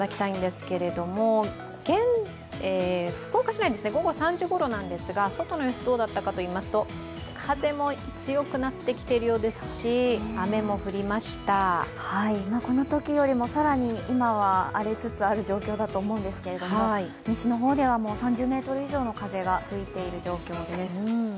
福岡市内午後３時ごろですが、外の様子どうだったかと言いますと、風も強くなってきているようですしこのときよりも更に今は荒れつつある状況だと思うんですけど西の方では３０メートル以上の風が吹いている状況です。